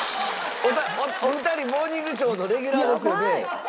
お二人『モーニングショー』のレギュラーですよね？